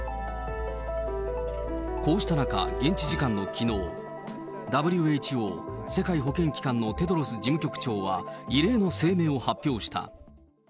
こうした中、現地時間のきのう、ＷＨＯ・世界保健機関のテドロス事務局長は異例の声明を発表した。